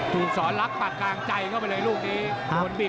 ถูกสอนลักษณ์ปากกลางใจเข้าไปเลยลูกนี้